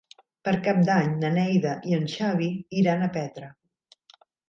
Per Cap d'Any na Neida i en Xavi iran a Petra.